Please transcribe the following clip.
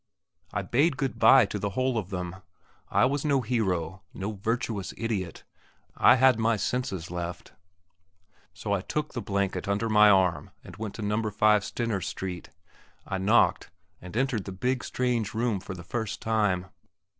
I bade good bye to the whole of them. I was no hero no virtuous idiot. I had my senses left. So I took the blanket under my arm and went to No. 5 Stener's Street. I knocked, and entered the big, strange room for the first time.